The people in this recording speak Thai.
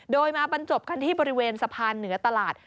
โดยมาบรรจบกันที่บริเวณสะพานเหนือตลาด